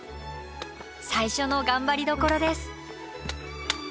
最初の頑張りどころです！